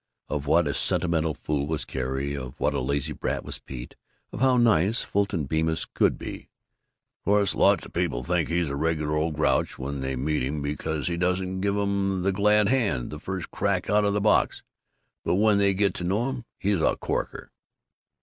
Of what a sentimental fool was Carrie. Of what a lazy brat was Pete. Of how nice Fulton Bemis could be "course lots of people think he's a regular old grouch when they meet him because he doesn't give 'em the glad hand the first crack out of the box, but when they get to know him, he's a corker."